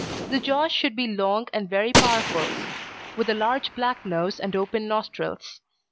The jaws should be long and very powerful, with a large black nose and open nostrils.